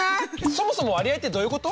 そもそも割合ってどういうこと？